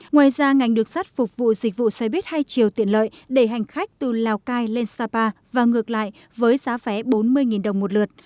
ngoài ra ngành đường sắt phục vụ dịch vụ xe buýt hai chiều tiện lợi để hành khách từ lào cai lên sapa và ngược lại với giá vé bốn mươi đồng một lượt